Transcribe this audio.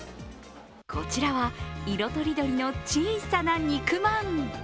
こちらは色とりどりの小さな肉まん。